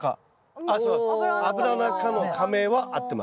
アブラナ科の科名は合ってます。